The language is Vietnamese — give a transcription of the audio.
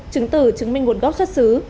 chứng tử chứng minh nguồn gốc xuất xứ